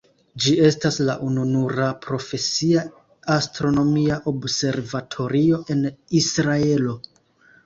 Ĝi estas la ununura profesia astronomia observatorio en Israelo.